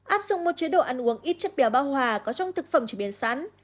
áp dụng một chế độ ăn uống ít chất béo bao hòa có trong thực phẩm chỉ biến sắn